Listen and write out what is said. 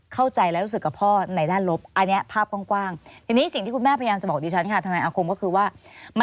เข้าใจและรู้สึกกับพ่อ